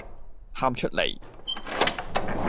喊出黎